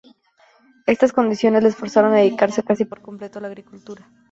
Estas condiciones les forzaron a dedicarse casi por completo a la agricultura.